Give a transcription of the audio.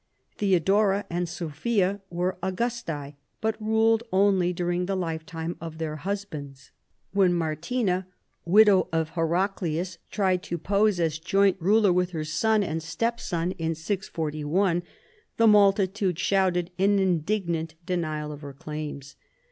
Theodora and Sophia were Augusta?, but ruled only during the lifetime of their husbands. "When Martina, widow of Heraclius, tried to pose as joint ruler with her son and stepson (641), the mul titude shouted an indignant denial of her claims.